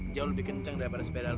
jauh lebih kenceng daripada sepeda lo